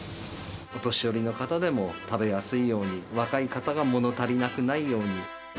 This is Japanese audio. お年寄りの方でも食べやすいように、若い方がもの足りなくないように。